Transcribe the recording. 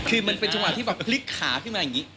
คือมันเป็นจังหวะที่แบบพลิกขาขึ้นมาอย่างนี้